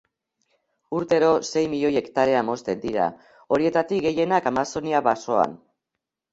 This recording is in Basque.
Urtero sei milioi hektarea mozten dira, horietatik gehienak Amazonia basoan.